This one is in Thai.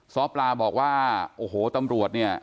ซ้อปลาบอกว่าโอ้โหตำรวจเนี่ย